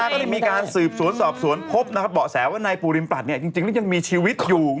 ก็เลยมีการสืบสวนสอบสวนภพนะครับบอกแสว่าในปูริมปัดที่จะยังมีชีวิตอยู่